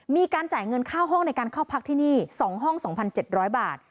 มีการจ่ายเงินค่าห้องในการเข้าพักที่นี่๒ห้อง๒๗๐๐บาท